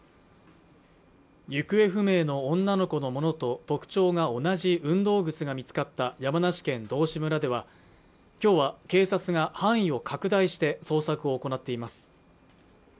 行方不明の女の子のものと特徴が同じ運動靴が見つかった山梨県道志村では今日は警察が範囲を拡大して捜索を行っています